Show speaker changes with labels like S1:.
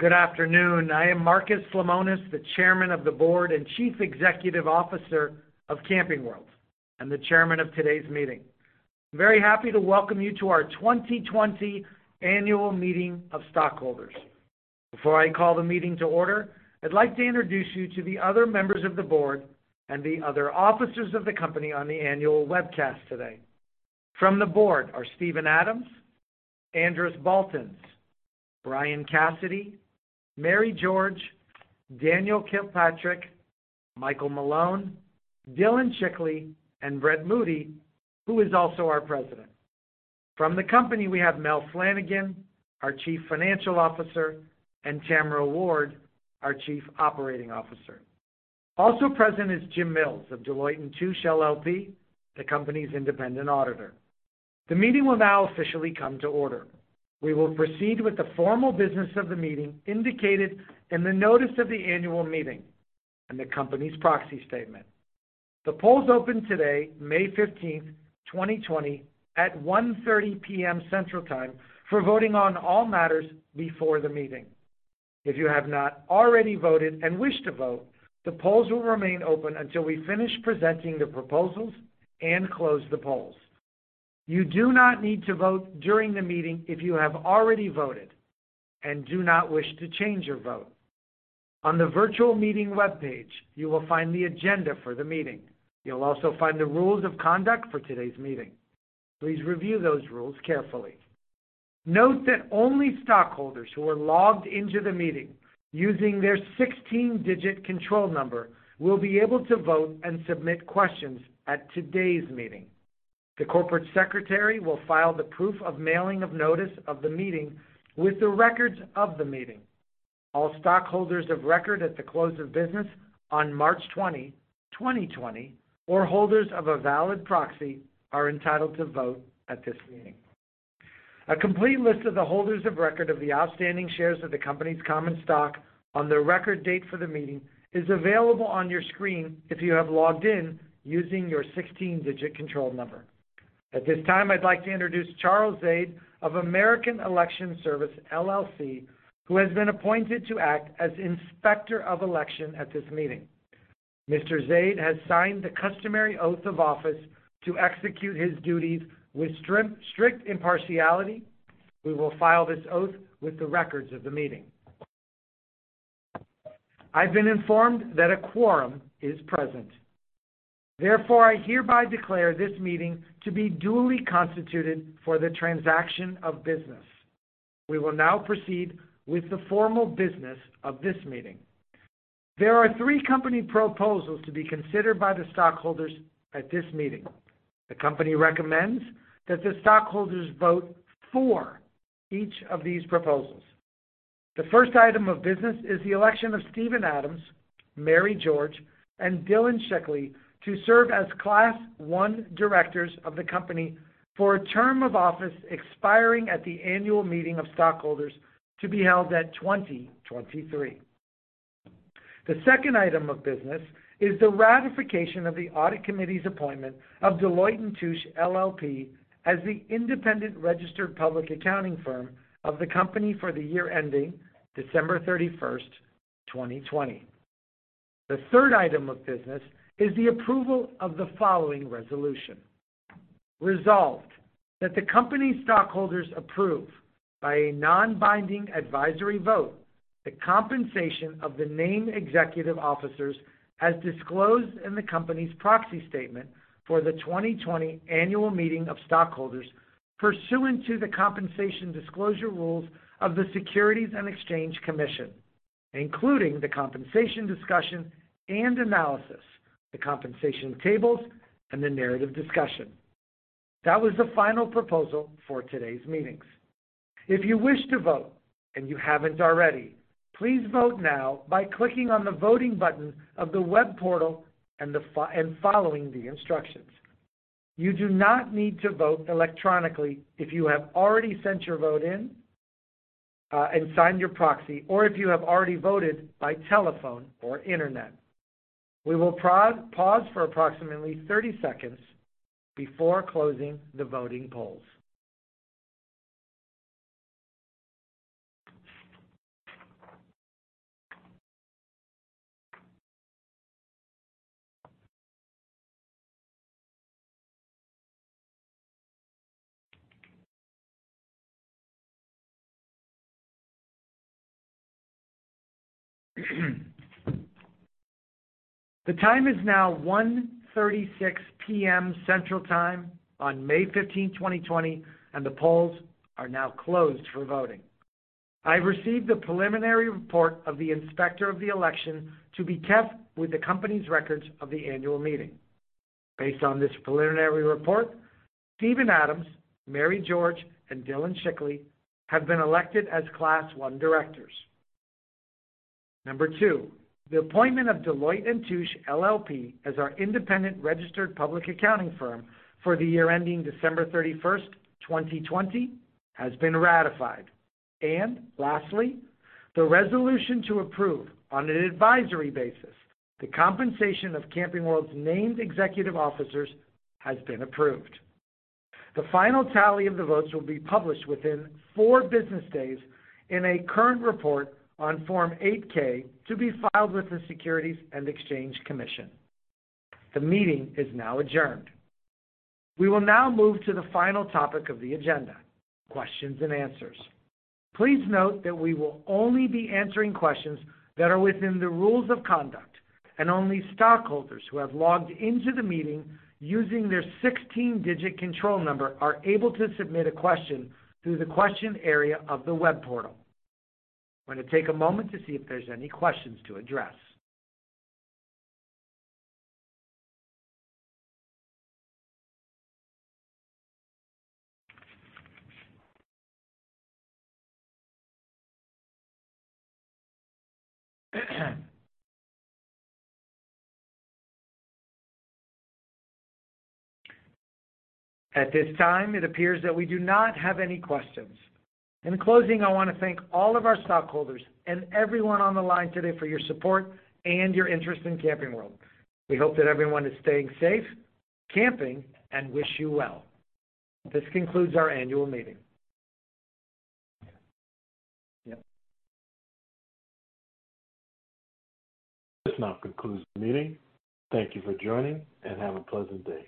S1: Good afternoon. I am Marcus Lemonis, the Chairman of the Board and Chief Executive Officer of Camping World, and the Chairman of today's meeting. I'm very happy to welcome you to our 2020 Annual Meeting of Stockholders. Before I call the meeting to order, I'd like to introduce you to the other members of the Board and the other officers of the company on the annual webcast today. From the Board are Stephen Adams, Andris Baltins, Brian Cassidy, Mary George, Daniel Kilpatrick, Michael Malone, Dillon Schickli, and Brent Moody, who is also our President. From the company, we have Mel Flanigan, our Chief Financial Officer, and Tamara Ward, our Chief Operating Officer. Also present is Jim Mills of Deloitte & Touche LLP, the company's independent auditor. The meeting will now officially come to order. We will proceed with the formal business of the meeting indicated in the notice of the annual meeting and the company's proxy statement. The polls open today, May 15th, 2020, at 1:30 P.M. Central Time for voting on all matters before the meeting. If you have not already voted and wish to vote, the polls will remain open until we finish presenting the proposals and close the polls. You do not need to vote during the meeting if you have already voted and do not wish to change your vote. On the virtual meeting webpage, you will find the agenda for the meeting. You'll also find the rules of conduct for today's meeting. Please review those rules carefully. Note that only stockholders who are logged into the meeting using their 16-digit control number will be able to vote and submit questions at today's meeting. The Corporate Secretary will file the proof of mailing of notice of the meeting with the records of the meeting. All stockholders of record at the close of business on March 20, 2020, or holders of a valid proxy are entitled to vote at this meeting. A complete list of the holders of record of the outstanding shares of the company's common stock on the record date for the meeting is available on your screen if you have logged in using your 16-digit control number. At this time, I'd like to introduce Charles Zade of American Election Services LLC, who has been appointed to act as Inspector of Election at this meeting. Mr. Zade has signed the customary oath of office to execute his duties with strict impartiality. We will file this oath with the records of the meeting. I've been informed that a quorum is present. Therefore, I hereby declare this meeting to be duly constituted for the transaction of business. We will now proceed with the formal business of this meeting. There are three company proposals to be considered by the stockholders at this meeting. The company recommends that the stockholders vote for each of these proposals. The first item of business is the election of Stephen Adams, Mary George, and K. Dillon Schickli to serve as Class I Directors of the company for a term of office expiring at the annual meeting of stockholders to be held at 2023. The second item of business is the ratification of the Audit Committee's appointment of Deloitte & Touche LLP as the independent registered public accounting firm of the company for the year ending December 31st, 2020. The third item of business is the approval of the following resolution: Resolved that the company's stockholders approve, by a non-binding advisory vote, the compensation of the named executive officers as disclosed in the company's proxy statement for the 2020 Annual Meeting of Stockholders pursuant to the compensation disclosure rules of the Securities and Exchange Commission, including the compensation discussion and analysis, the compensation tables, and the narrative discussion. That was the final proposal for today's meetings. If you wish to vote and you haven't already, please vote now by clicking on the voting button of the web portal and following the instructions. You do not need to vote electronically if you have already sent your vote in and signed your proxy, or if you have already voted by telephone or internet. We will pause for approximately 30 seconds before closing the voting polls. The time is now 1:36 P.M. Central Time on May 15, 2020, and the polls are now closed for voting. I've received the preliminary report of the Inspector of the Election to be kept with the company's records of the annual meeting. Based on this preliminary report, Stephen Adams, Mary George, and K. Dillon Schickli have been elected as Class I Directors. Number two, the appointment of Deloitte & Touche LLP as our independent registered public accounting firm for the year ending December 31st, 2020, has been ratified. And lastly, the resolution to approve on an advisory basis the compensation of Camping World's named executive officers has been approved. The final tally of the votes will be published within four business days in a current report on Form 8-K to be filed with the Securities and Exchange Commission. The meeting is now adjourned. We will now move to the final topic of the agenda: Questions and Answers. Please note that we will only be answering questions that are within the rules of conduct, and only stockholders who have logged into the meeting using their 16-digit control number are able to submit a question through the question area of the web portal. I'm going to take a moment to see if there's any questions to address. At this time, it appears that we do not have any questions. In closing, I want to thank all of our stockholders and everyone on the line today for your support and your interest in Camping World. We hope that everyone is staying safe, camping, and wish you well. This concludes our annual meeting.
S2: Yep.
S3: This now concludes the meeting. Thank you for joining, and have a pleasant day.